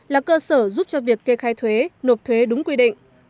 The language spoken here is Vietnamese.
là cơ sở giúp cho việc kê khai thuế nộp thuế đúng quy định